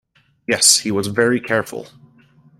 Yes, he was very careful.